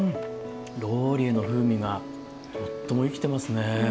ローリエの風味がとっても生きてますね。